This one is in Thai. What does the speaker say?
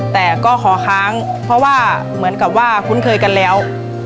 แต่ก็ขอค้างเพราะว่าเหมือนกับว่าคุ้นเคยกันแล้ว